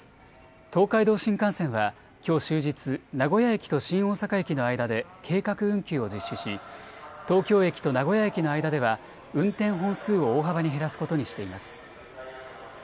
東海道新幹線はきょう終日、名古屋駅と新大阪駅の間で計画運休を実施し、東京駅と名古屋駅の間では、運転本数を大幅に減らすことにしています。